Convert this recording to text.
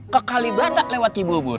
kekalibatak lewat hibu obur